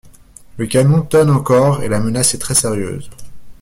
Le canon tonne encore, et la menace est très sérieuse.